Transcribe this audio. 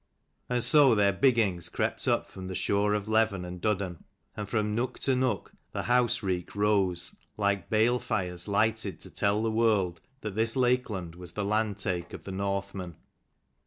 And so their biggings crept up from the shore of Leven and Duddon, and from nook to nook the house reek rose, like bale fires lighted to tell the world that this Lakeland was the land take of the Northmen.